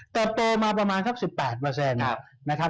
เติบโตมาประมาณครับ๑๘